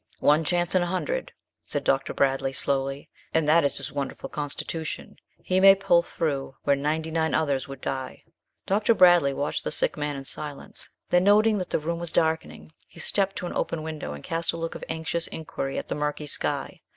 "One chance in a hundred," said Dr. Bradley, slowly; "and that is his wonderful constitution; he may pull through where ninety nine others would die." Dr. Bradley watched the sick man in silence, then noting that the room was darkening, he stepped to an open window and cast a look of anxious inquiry at the murky sky.